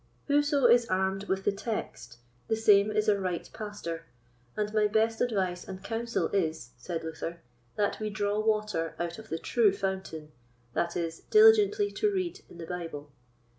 Whoso is armed with the Text, the same is a right pastor; and my best advice and counsel is, said Luther, that we draw water out of the true fountain, that is, diligently to read in the Bible.